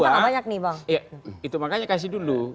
gak banyak nih bang itu makanya kasih dulu